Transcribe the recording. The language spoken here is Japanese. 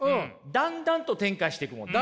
だんだんと展開していくもの。